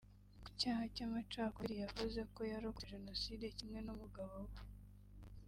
Ku cyaha cy’amacakubiri yavuze ko yarokotse Jenoside kimwe n’umugabo we